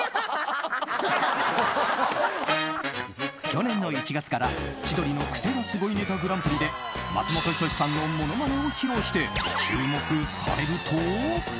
去年の１月から「千鳥のクセがスゴいネタＧＰ」で松本人志さんのものまねを披露して注目されると。